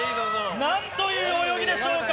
なんという泳ぎでしょうか。